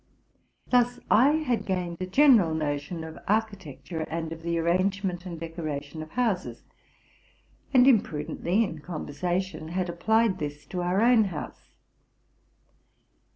Thus I had gained a gen eral notion of architecture, and of the arrangement and dee oration of houses, and imprudently, in conversation, had applied this to our own house.